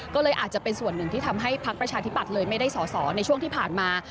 ก็เลยอาจจะเป็นส่วนหนึ่งที่ทำให้พักประชาธิบัตย์เลยไม่ได้สอสอในช่วงที่ผ่านมา